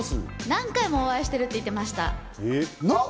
何回もお会いしてるって言ってました。